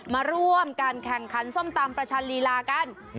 มาร่วมการแข่งขันส้มตำประชันลีลากัน